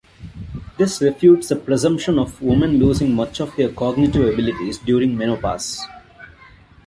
This refutes the presumption of women losing much of their cognitive abilities during menopause.